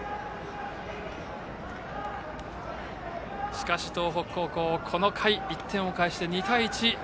しかし、東北高校この回１点を返して２対１。